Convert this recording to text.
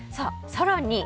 更に。